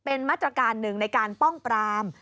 เป็นมาตรการหนึ่งในการป้องปราม